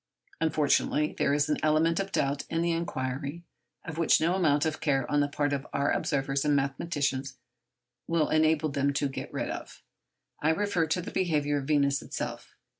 Unfortunately, there is an element of doubt in the inquiry, of which no amount of care on the part of our observers and mathematicians will enable them to get rid. I refer to the behaviour of Venus herself.